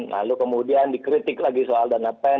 lalu kemudian dikritik lagi soal dana pen